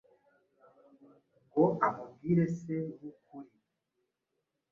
ngo amubwire se w’ukuri,